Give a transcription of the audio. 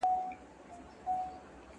انټرنيټ زموږ د هرې پوښتنې ځواب لري.